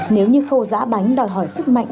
nếu như khâu giã bánh đòi hỏi sức mạnh